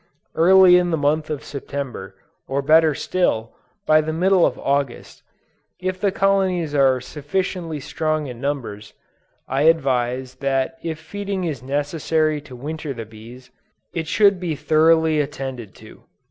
Early in the month of September, or better still, by the middle of August, if the colonies are sufficiently strong in numbers, I advise that if feeding is necessary to winter the bees, it should be thoroughly attended to.